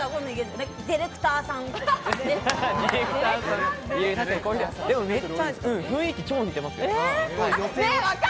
ディレクターさんとか？